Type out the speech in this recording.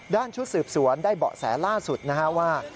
ชุดสืบสวนได้เบาะแสล่าสุดนะฮะว่า